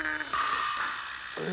え？